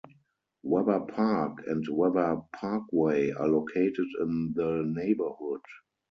Webber Park and Webber Parkway are located in the neighborhood.